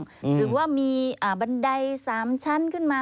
หรือว่ามีบันได๓ชั้นขึ้นมา